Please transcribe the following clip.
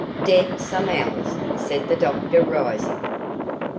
"Dead some hours," said the doctor, rising.